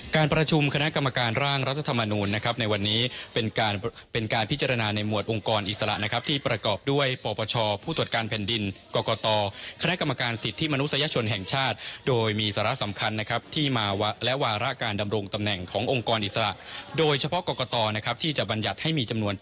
การประชุมคณะกรรมการร่างรัฐธรรมนูลนะครับในวันนี้เป็นการเป็นการพิจารณาในหมวดองค์กรอิสระนะครับที่ประกอบด้วยปปชผู้ตรวจการแผ่นดินกรกตคณะกรรมการสิทธิมนุษยชนแห่งชาติโดยมีสาระสำคัญนะครับที่มาและวาระการดำรงตำแหน่งขององค์กรอิสระโดยเฉพาะกรกตนะครับที่จะบรรยัติให้มีจำนวน